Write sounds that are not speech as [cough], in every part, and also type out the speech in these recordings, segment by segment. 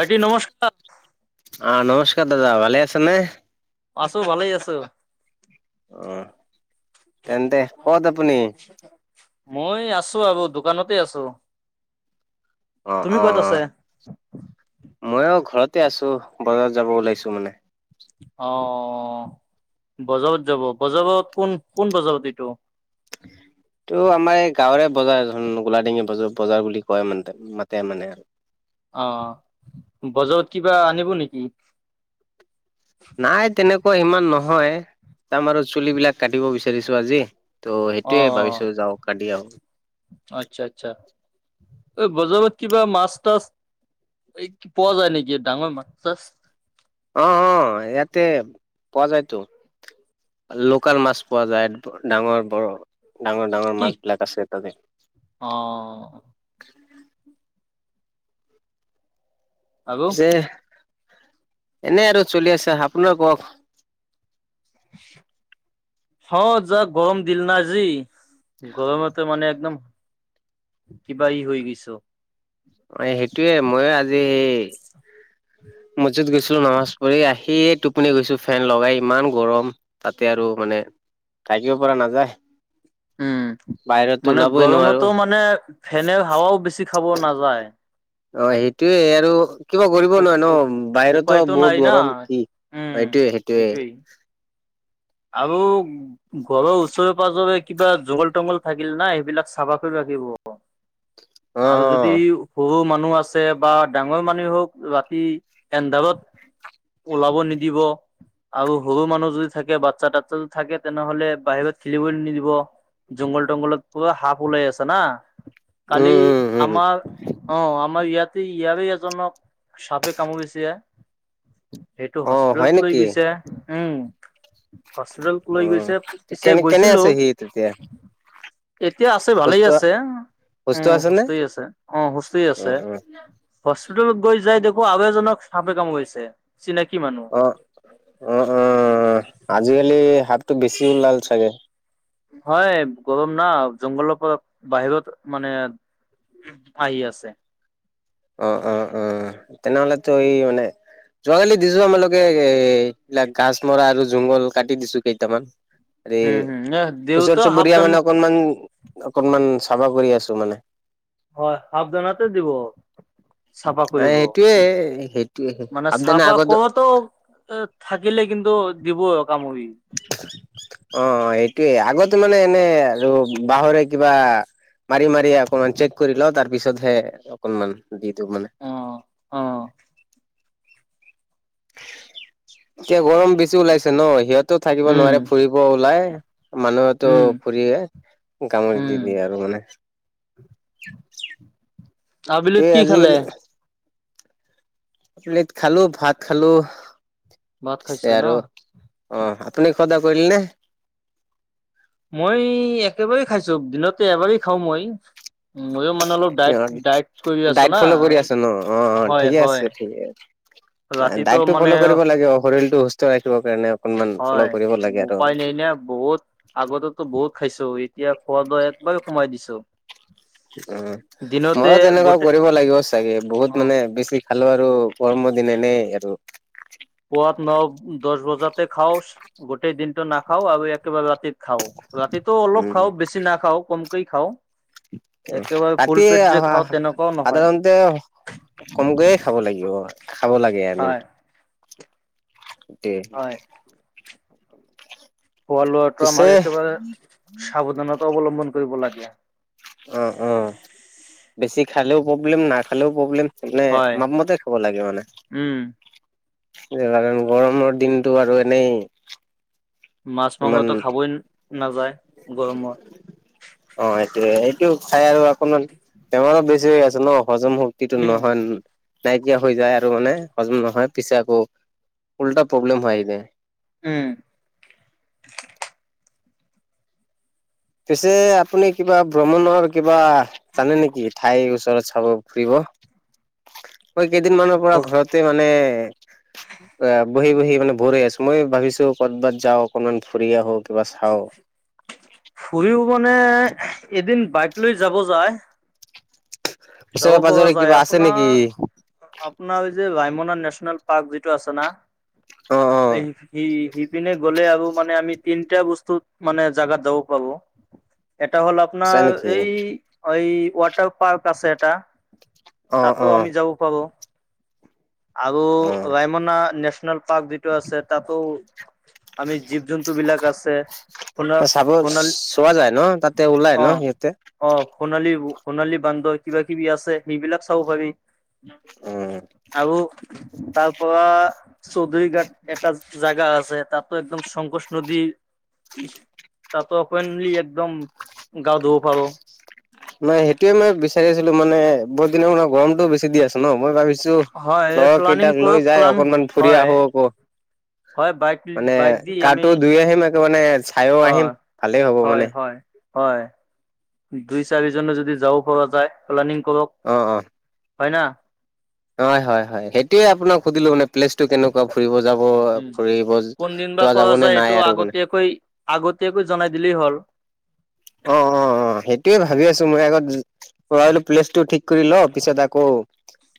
ভাইটি নমস্কাৰ। অ', নমস্কাৰ দাদা ভালে আছ নে? আছো, ভালেই আছোঁ। অ' তেন্তে ক'ত আপুনি মই আছো আৰু দোকানতে আছো। অ, তুমি ক'ত আছে? অ'। মই এই ঘৰত। তাতে আছো। বজাৰত যাব ওলাইছো মানে। অ'। বজাৰত যাব, বজাৰত কোন, কোন বজাৰত এইটো? তো আমাৰ এই গাঁৱৰে বজাৰ এখন গোলাডিঙি বজাৰ, বজাৰ বুলি কয় মানুহে মাতে মানে আৰু। অ', বজাৰত কিবা আনিব নেকি? নাই তেনেকুৱা ইমান নহয়। তাম আৰু চুলিবিলাক কাটিব বিচাৰিছো আজি। ত' সেইটোয়ে অ' ভাবিছো যাও ক [unintelligible] আহ আচ্ছা আচ্ছা। এই বজাৰত কিবা মাছ তাছ এই কি পোৱা যায় নেকি, ডাঙৰ মাছ তাছ? অ', অ', ইয়াতে পোৱা যায়তো। লোকেল মাছ পোৱা যায় ডাঙৰ বৰ ডাঙৰ ডাঙৰ কি? মাছ বিলাক আছে ততে। অ'। [inaudible] আৰু? পিছে এনে আৰু চলি আছে আপোনাৰ কওঁক। [unintelligible] অ', যা গৰম দিন না আজি গৰমেতে মানে একদম, কিবা ই হৈ গৈছ [unintelligible] অ', সেইটোয়ে মই আজি মছজিদ গৈছিলো, নামাজ পৰি আহিয়ে টোপনি গৈছো ফেন লগাই ইমান গৰম তাতে আৰু মানে থাকিব পৰা নাযায়। উম বাহিৰতো মানে ওলাবই নোৱাৰো গৰমতো মানে ফেনে হাৱাও বেছি খাব নাযায়। অ', সেইটোয়ে আৰু, কিবা কৰিব নোৱাৰে ন' বাহিৰতো উপায়তো নাই বহুত না গৰম কি উম এইটোয়ে সেইটোৱেই সেইটোয়ে। আৰু ঘৰৰ ওচৰে পাজৰে কিবা জংঘল তংঘল থাকিল না সেইবিলাক চাফা কৰি ৰাখিব। [inaudible] অ অ আৰু যদি শুব মাতে মানুহ আছে বা ডাঙৰ মানুহ হওঁক ৰাতি এন্ধাৰত ওলাব নিদিব আৰু সৰু মানুহ যদি থাকে ব [unintelligible] তাটো থাকে তেনেহ'লে বাহিৰত খেলিবলৈ নিদিব জংগল তংগলত পূৰা সাপ ওলাই আছে না, উম কালি উম উম আমাৰ অ', আমাৰ ইয়াতে, ইয়াৰে এজনক চাপে কামূৰিছে। সেইটো অ হয় হস্পিতেলত লৈ নেকি গৈছে, উম। হস্পিতাল অ লৈ গৈছে। পিছে কেনে কেনে গৈছিলো। আছে সি তেতিয়া এতিয়া আছে ভালেই সুস্থ আছে। উ আছে নে সুস্থ আছে অ সুস্থ অ আছে অ হস্পিতেলত গৈ যাই দে আবেদজনক চাপে কাম গৈছে আহ অ উ আজিকালি হাফটো বেছি ওলাল চাগে হয় গৰম না জংঘলৰ পৰা বাহিৰত মানে আহি আছে অ', অ', অ', তেনেহলেতো এই মানে যোৱাকালি দিছো আমালোকে এ এ ইিলাক গাছ মৰা আৰু জুংঘল কাটি দিছো কেইটামান উম হম ওচৰ দেউতা চুবুৰীয়া সাৱধান মানে অকনমান অকনমান চাফা কৰি আছ মানে হয় হফধানাতে দিব চাফা কৰিব সেইটোয়ে সেইটোয়ে মানে সাৱধানে চাফা আগত কৰোতেওঁ থাক থাকিলে কিন্তু দিব কামৰি অ এইটোয়ে আগতে মানে এনে আৰু বাঁহৰে কিবা মাৰি মাৰি অকনমান চেক কৰি ল তাৰ পিছতহে অকনমান দি দিওঁ মানে অ অ এতিয়া গৰম বেছি ওলাইছে ন সিহঁতেও থাকিব উম নোৱাৰে ফুৰিব ওলাই মানুহেতো উম ফুৰি এ গামুৰি দি উম, দিয়ে আৰু মানে আবেলিত এই কি খালে অমলেট খালো ভাত খালো ভাত পিছে খাইছে ন আৰু অ আপুনি খোৱাদা কৰিলে নে মই একেবাৰেই খাইছো দিনতে এবাৰেই খাওঁ মই ময়ো মানে অলপ ডাইট অ ডাইট কৰি আছো ডাইট না। ফল' কৰি আছে ন অ অ হয় ঠিকে আছে হয় ঠিকে ৰাতিটো দাইটটো মানে ভলো কৰিব লাগিব শৰীৰতটো সুস্থ ৰাখিবৰ কাৰণে অকনমান ফ'ল' হয় কৰিব লাগে আৰু উপায় নাই ন বহুত আগতেতো বহুত খাইছো ই এতিয়া খোৱা দোৱা একবাৰেই কমাই দিছো উ দিনতে মইও তেনেকুৱাও গোটেই কৰিব লাগিব চাগে অ বহুত মানে বেছি খালো আৰু গৰমৰ দিন এ ন আৰু পুৱাত ন দহ বজাতে খাও গোটেই দিনটো না খাও আৰু একেবাৰে ৰাতিত খাও ৰাতিটো অলপ উম খাও বেছি নাখাও কমকে খাওঁ একেবাৰে ফুল ৰাতি পেট যে আহ খাওঁ তেনেকুৱাও নহয় সাধাৰতে কমকৈয়ে খাব লাগিব খাব লাগে আমি হয়। তে হয় খোৱা লোৱাটো আমাৰ একেবাৰে সাৱধানতা অৱলম্বন কৰিব লাগে। অ অ বেছি খালেও প্ৰব্লেম না খালেও প্ৰব্লেম মানে হয় মাপমতে খাব লাগে মানে উম স কাৰণ গৰমৰ দিনতটো আৰু এনেই মাছ ইমান মাংসটো খাবই নাযায় গৰমত অ এইটোয়ে এইটো খাই আৰু অকনমান বেমাৰো বেছি হৈ আছে ন হজম শক্তিটো উম নহয় নাইকিয়া হৈ যায় আৰু মানে হজম নহয় পিছে আকৌ উল্টা প্ৰব্লেম হৈ যায় উম পিছে আপুনি কিবা ভ্ৰমণৰ কিবা জানে নেকি ঠাইৰ ওচৰত চাব ফুৰিব মই কেইদিন মানৰ পৰা ঘৰতে মানে অ বহি বহি মানে ভৰি হৈ আছো মই ভাবিছো কৰ'বাত যাওঁ অকনমান ফুৰি আহওক কিবা চাও ঘুৰিও মানে এদিন বাইক লৈ যাব যায় যাব ওচৰে পৰা পাজৰে যায় কিবা আছে আপোনাৰ নেকি আপোনাৰ যে ৰাইমনা নেশচনেল পাৰ্ক যিটো আছে না অ অ সি পিনে গ'লে আৰু মানে আমি তিনিটা বস্তুত মানে জাগাত যাব পাৰো। এটা হ'ল আছে আপোনাৰ নেকি এই এই ৱাটাৰ পাৰ্ক আছে এটা অ অ তাতো আমি যাব পাৰো। আৰু অ ৰায়মনা নেশচনেল পাৰ্ক যিটো আছে তাতো আমি জীৱ-জন্তু বিলাক আছে। চাব সোণা-সোণালী, চোৱা যায় ন তাতে ওলাই অ ন সিহঁতে অ সোণালী সোণালী বান্দৰ কিবা কিবি আছে সেইবিলাক চাব পাৰি, উম আৰু তাৰ পৰা চৌধুৰী ঘাট এটা জাগা আছে, তাতো একদম শংকোষ নদীৰ তাতো অপেনলি একদম গা ধুব পাৰো মানে সেইটোয়ে মই বেছি বিচাৰি আছিলো মানে বহুত দিনৰ মূৰত গমটোও বেছি দি আ ন, মই ভাবিচো হয় ছো। লগৰ প্লানিং কেইটাক লৈ কৰক যাই প্লান অকনমান ফুৰি হয় আহোঁ আকৌ। হয় বাইক মানে বাইক দি আমি কাটো দুই আহিম একে মানে চাইও হয় আহিম ভালেই হ'ব হয় মানে। হয় হয় দুই চাৰিজনো যদি যাব পৰা যায় প্লানিং কৰক অ অ হয় ন। হয় হয় হয় সেইটোয়ে আপোনাক সুধিলো মানে। প্লেচটো কেনেকুৱা ফুৰিব যাব উম ফুৰিব কোনদিন বা যোৱা যাব নে নাই আৰু মানে? তই একবাৰ জনাই দিলেই হ'ল। অ অ অ সেইটোয়ে ভাবি আছো মই আগত য পৰা হ'লে প্লেছ টো ঠিক সুধি ল পিছে তাকো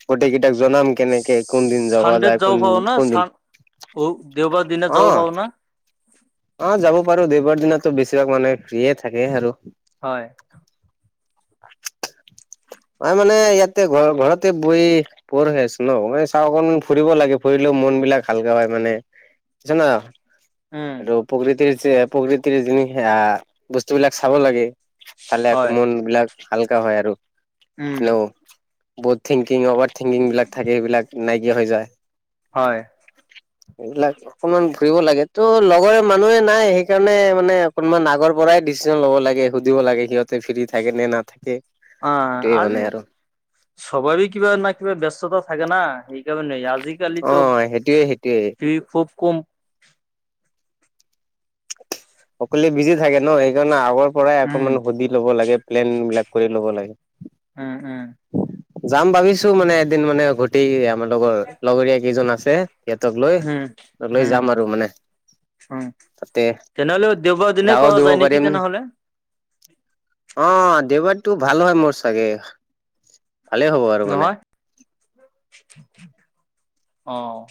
গোটেই গীত সিয়াক জনাম কেনেকে? কোন দিন যাবা যায় কোন কোন দিন? অ দেওবাৰ দিনা যাব পাৰো না। অ যাব পাৰো দেওবাৰ দিনাটো বেছিভাগ মানুহে ফ্ৰি এ থাকে আৰু। হয়। [unintelligible] ম মানে ইয়াতে ঘৰ ঘৰতে বহি ব'ৰ হৈ আছো ন মানে চা অকন ফুৰিব লাগে ফুৰিলেও মন বিলাক হালকা হয় মানে, জানা। উম আৰু প্ৰকৃতিৰ যে- প্ৰকৃতিৰ যিনি সেয়া বস্তুবিলাক চাব লাগে। চালে আকৌ হয় মন বিলাক হালকা হয় আৰু। উম ব'ৰ থিংকিং, অভাৰ থিংকিংবিলাক থাকে সেইবিলাক নাইকিয়া হৈ যায়। হয় এইবিলাক অকমান ঘূৰিব লাগে। তোৰ লগৰে মানুহে নাই সেইকাৰণে মানে অকনমান আগৰ পৰাই ডিচিশন ল'ব লাগে সুধিব লাগে সিহঁতক। ফ্ৰী থাকে নে নাথাকে। অ সেইটোৱে আজি মানে আৰু সবৰে কিবা ন কিবা ব্যস্ততা থাকে ন, এইকাৰণে আজ অ আজিকালিতো সেইটোয়ে সেইটোয়ে টি ভি খুব কম সকলোৱে বিজি থাকে ন সেইকাৰণে আগৰ পৰাই উম অকমান সুধি ল'ব লাগে প্লেন বিলাক কৰি ল'ব লাগে। উম উম যাম ভাবিছো মানে এদিন মানে উভটি আমাৰ লগৰ লগৰীয়া কেইজন আছে সিহঁতক লৈ, উম লৈ উম যাম আৰু মানে। উম তাতে তেনেহলে দেওবাৰ দিনে গাও কৰা ধুব যায় নেকি পাৰিম তেনেহ'লে। অ দেওবাৰতটো ভাল হয় মোৰ চাগে। ভালেই হ'ব আৰু মানে নহয়, আহ।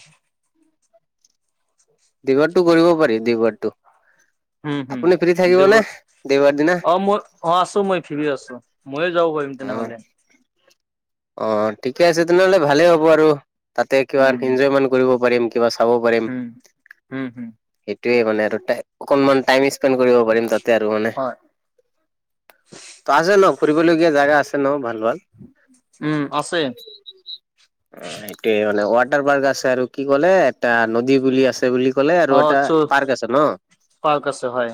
দগাৰতটো কৰিব পাৰি দগাৰটো হম হম [unintelligible] দেওবাৰ দিনা অ মই অ আছো মই ফিৰি আছো ময়ো যাব পাৰিম অ তেনেহ'লে। অ ঠিকে আছে তেনেহ'লে ভালে হ'ব আৰু তাতে কিবা উম, এনজয়মেণ্ট কৰিব পাৰিম। কিবা চাব পাৰিম। উম, উম, উম, সেইটোৱে মানে আৰু অকনমান টাইম স্পেণ্ড কৰিব পাৰিম তাতে আৰু মানে। হয়, তাতে লগ কৰিব লগীয়া জাগা আছে ন ভাল ভাল? উম, আছে। অ সেইটোয়ে মানে ৱাটাৰ পাৰ্ক আছে আৰু কি ক'লে এটা নদী বুলি আছে বুলি। কলে আৰু অ', এটা চু পাৰ্ক আছে ন' পাৰ্ক আছে হয়,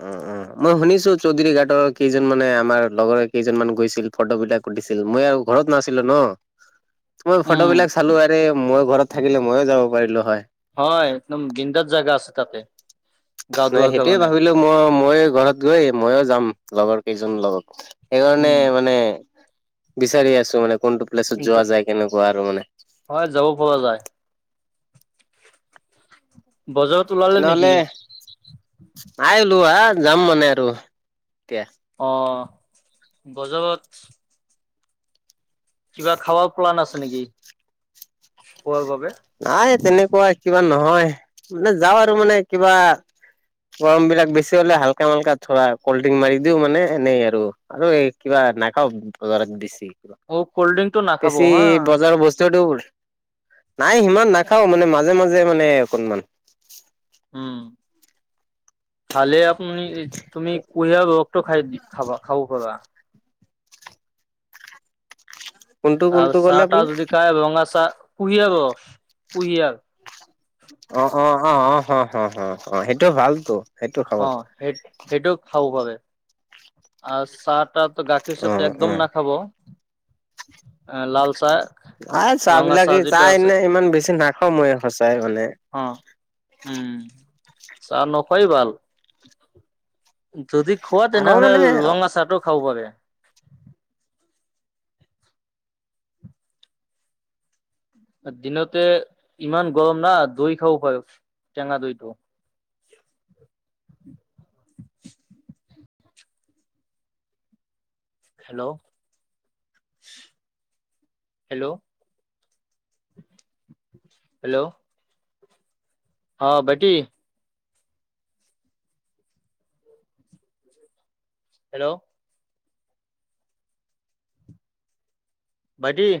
উ উ। মই শুনিছো চৌধুৰী ঘাটৰ কেইজন মানে আমাৰ লগৰে কেইজন মান গৈছিল ফটো বিলাক উঠিছিল। মই আৰু ঘৰত নাছিলো ন'। মই ফটো উম, বিলাক চালো আৰে মই ঘৰত থাকিলে ময়ো যাব পাৰিলো হয় হয় একদম গন্দাত জাগা আছে তাতে। গা নাই ধোৱাৰ সেইটোয়ে কাৰণে, ভাবিলো মই। ময়ো ঘৰত গৈ ময়ো যাম লগৰ কেইজনৰ লগত, সেইকাৰণে উম, মানে বিচাৰি আছো মানে কোনটো প্লেছত যোৱা যা- যায় কেনেকুৱা আৰু মানে। হয়, যাব পৰা যায়। বজাৰত ওলালে নেকি? তেনেহ'লে নাই লো আহ যাম মানে আৰু এতিয়া। আহ বজাৰত। কিবা খাবাৰ প্লান আছে নেকি। প নাই তেনেকুৱা কিবা নহয় মানে যাওঁ আৰু মানে কিবা গৰম বিলাক বেছি হলে হালকা মালকা ধৰা কল্ড ড্ৰিংক মাৰি দিও মানে এনেই আৰু এই কিবা। নাখাওঁ বজাৰত বেছি, কিব অ', কল্ড ড্ৰিংকটো নাখাব বেছি হা, বজাৰৰ বস্তুটো নাই সিমান নাখাওঁ মানে মাজে মাজে মানে অকনমান। উম খালে আপুনি তুমি কুহিয়াঁৰ ৰসটো খাই দি খাবা খাব প কোনটো আৰু কোনটো ক'লে চাৰটা আপুনি? যদি খায় ৰঙা চাৰ পুহ আব পুহ আ অ', অ', অ', অ', অ'। অ', অ', অ', সেইটো ভালটো সেইটো খাব। আৰু চাহ-তাটো গাখীৰ চ অ একদম নাখাব। আ চাহ ৰঙা বিলাকে যিটো তাই আছে এনে ইমান বেছি নাখাওঁ মই খচ অ, উম চাহ নখাই ভাল। যদি খোৱা আকৌ তেনেহ'লে মানে ৰঙা চাহটো খাব পাৰে। দিনতে ইমান গৰম না দৈ খাব পাৰে, টেঙা দৈটো। আ। Hello hello hello. অ', বেটি হেল্ল'। বাজি